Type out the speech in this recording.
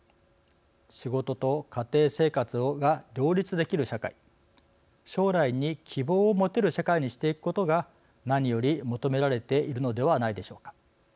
仕事と家庭生活が両立できる社会将来に希望をもてる社会にしていくことが何より求められているのではないでしょうか。